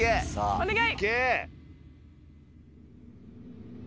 お願い！